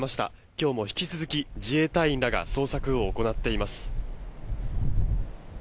今日も引き続き自衛隊員らが捜索を行っています。